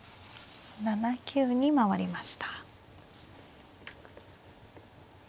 ７九に回りました。